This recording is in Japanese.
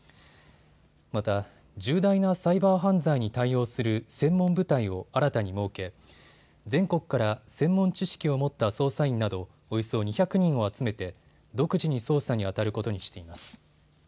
また、重大なサイバー犯罪に対応する専門部隊を新たに設け、全国から専門知識を持った捜査員などおよそ２００人を集めて独自に捜査にあたることにしています。